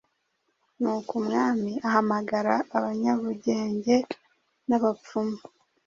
Nuko umwami ahamagaza abanyabugenge n’abapfumu,